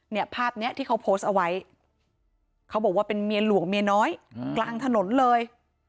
เนี่ยภาพนี้ที่เขาโพสต์เอาไว้เขาบอกว่าเป็นเมียหลวงเมียน้อยกลางถนนเลย